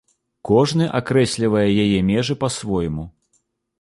Кожны акрэслівае яе межы па-свойму.